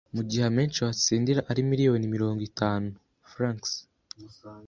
mu gihe amenshi watsindira ari miliyoni mirongo itanu Frw.